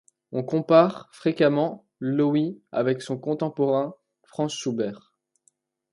On compare fréquemment Loewe avec son contemporain Franz Schubert.